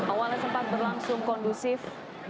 awalnya sempat berlangsung kondusif